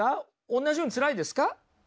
おんなじようにつらいですか？